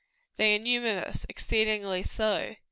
They are numerous exceedingly so.